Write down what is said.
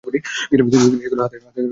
তিনি সেগুলো হাতে ধরে কাপড়ে রাখতে লাগলেন।